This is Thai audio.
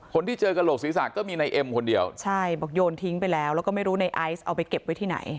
คนที่เจอกระโหลกศีรษะก็มีในเอ็มคนเดียวใช่บอกโยนทิ้งไปแล้วแล้วก็ไม่รู้ในไอซ์เอาไปเก็บไว้ที่ไหน